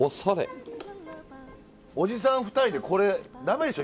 おじさん２人でこれ駄目でしょ？